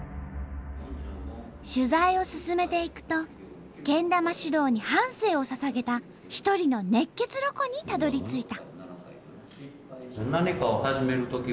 取材を進めていくとけん玉指導に半生をささげた一人の熱血ロコにたどりついた。